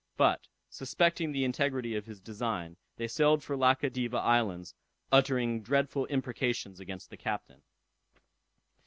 But, suspecting the integrity of his design, they sailed for Lacca Deva islands, uttering dreadful imprecations against the captain.